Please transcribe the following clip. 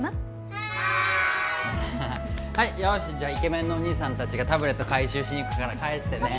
はーいよーしじゃあイケメンのお兄さん達がタブレット回収しにいくから返してね